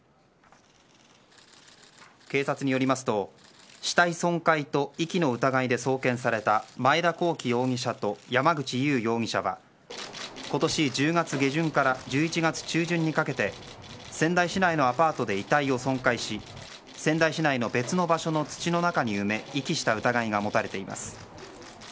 警察によりますと、死体損壊と遺棄の疑いで送検された前田広樹容疑者と山口優容疑者は今年１０月下旬から１１月中旬にかけて仙台市内のアパートで遺体を損壊し仙台市内の別の場所の土の中に埋め遺棄した疑いが持たれています。